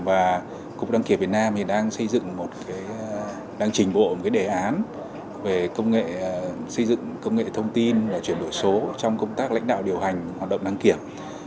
và cục đăng kiểm việt nam đang xây dựng một cái đang trình bộ một đề án về công nghệ xây dựng công nghệ thông tin và chuyển đổi số trong công tác lãnh đạo điều hành hoạt động đăng kiểm